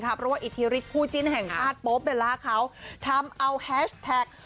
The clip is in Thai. เพราะว่าอิทธิฤทธิคู่จิ้นแห่งชาติโป๊เบลล่าเขาทำเอาแฮชแท็ก